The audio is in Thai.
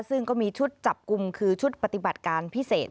ซึ่งก็มีชุดจับกลุ่มคือชุดปฏิบัติการพิเศษ